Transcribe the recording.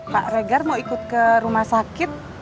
pak regar mau ikut ke rumah sakit